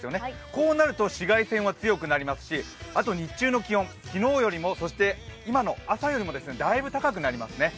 こうなると紫外線は強くなりますしあと、日中の気温、昨日よりも今の朝よりもだいぶ高くなりますね。